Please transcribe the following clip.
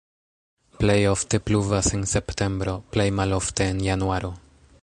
Plej ofte pluvas en septembro, plej malofte en januaro.